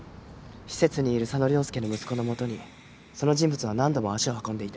施設にいる佐野良介の息子のもとにその人物は何度も足を運んでいた。